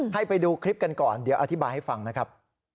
ไปดูคลิปกันก่อนเดี๋ยวอธิบายให้ฟังนะครับ